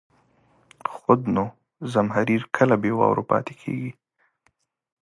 خود نو، زمهریر کله بې واورو پاتې کېږي.